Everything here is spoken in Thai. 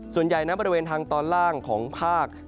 ส่วนใหญ่นั้นบริเวณทางตอนล่างของภาค